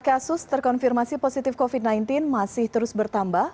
kasus terkonfirmasi positif covid sembilan belas masih terus bertambah